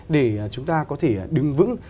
để chúng ta có thể đứng vững